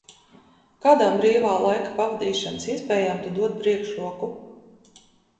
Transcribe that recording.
Kādām brīvā laika pavadīšanas iespējām Tu dod priekšroku?